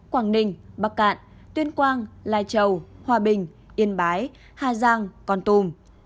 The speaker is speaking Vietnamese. quảng ninh bắc cạn tuyên quang lai châu hòa bình yên bái hà giang con tùm